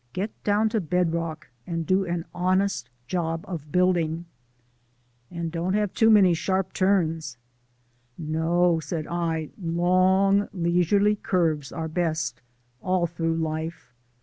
"Get down to bedrock and do an honest job of building." "And don't have too many sharp turns." "No," said I, "long, leisurely curves are best all through life.